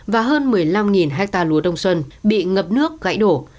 và hơn một mươi năm hectare lúa đông xuân bị ngập nước gãy đổ